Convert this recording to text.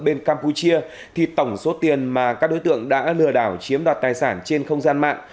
bên campuchia thì tổng số tiền mà các đối tượng đã lừa đảo chiếm đoạt tài sản trên không gian mạng